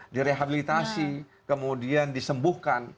direhabilitasi kemudian disembuhkan